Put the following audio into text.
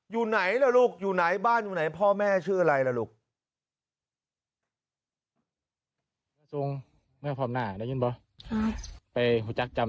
อยู่ไหนล่ะลูกอยู่ไหนบ้านอยู่ไหนพ่อแม่ชื่ออะไรล่ะลูก